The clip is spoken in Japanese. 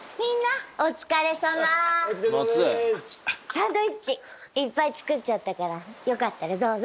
サンドイッチいっぱい作っちゃったからよかったらどうぞ。